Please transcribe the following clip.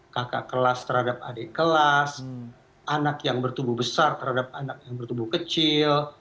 kakak kelas terhadap adik kelas anak yang bertubuh besar terhadap anak yang bertubuh kecil